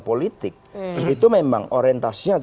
politik itu memang orientasinya